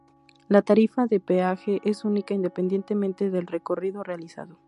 La tarifa de peaje es única independientemente del recorrido realizado.